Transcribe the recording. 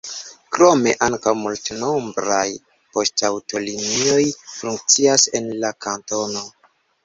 Krome ankaŭ multnombraj poŝtaŭtolinioj funkcias en la kantono.